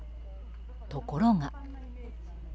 ところが。